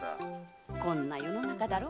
こんな世の中だろ？